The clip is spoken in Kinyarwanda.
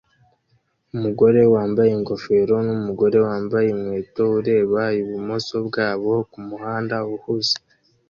Umugore wambaye ingofero numugore wambaye inkweto ureba ibumoso bwabo kumuhanda uhuze